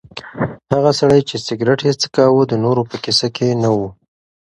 هغه سړی چې سګرټ یې څکاوه د نورو په کیسه کې نه و.